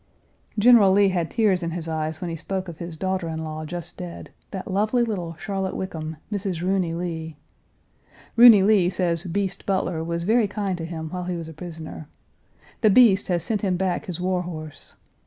General Lee had tears in his eyes when he spoke of his daughter in law just dead that lovely little Charlotte Wickham, Mrs. Roony Lee. Roony Lee says "Beast" Butler was very kind to him while he was a prisoner. The "Beast" has sent him back his war horse.